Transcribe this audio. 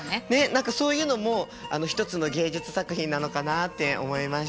何かそういうのも一つの芸術作品なのかなって思いました。